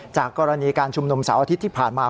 จากกรณีการชุมนุมเสาร์อาทิตย์ที่ผ่านมา